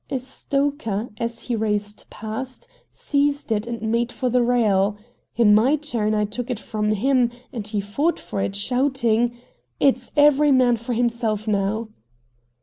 A stoker, as he raced past, seized it and made for the rail. In my turn I took it from him, and he fought for it, shouting: "It's every man for himself now!"